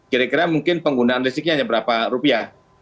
kira kira mungkin penggunaan listriknya hanya berapa rupiah